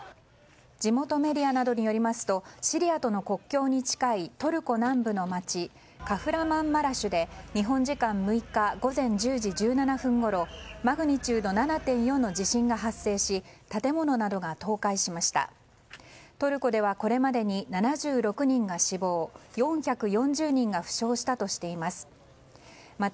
地元メディアなどによりますとシリアとの国境に近いトルコ南部の街カフラマンマラシュで日本時間６日午前１０時１７分ごろマグニチュード７．４の地震が発生し建物などが倒壊しました。